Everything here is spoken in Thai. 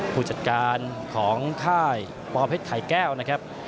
ผู้จัดการของค่ายปอเพชรไข่แก้วนะครับ